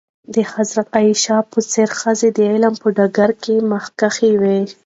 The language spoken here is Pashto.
د حضرت عایشه په څېر ښځې د علم په ډګر کې مخکښې وې.